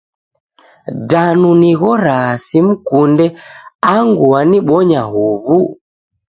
Danu nighoraa simkunde angu wanibonya huw'u?